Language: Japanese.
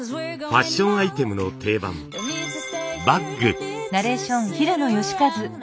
ファッションアイテムの定番バッグ。